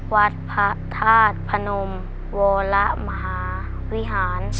วัดพระธาตุพนมวรมหาวิหาร